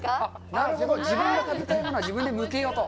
なるほど、自分で食べたいものは自分でむけよと？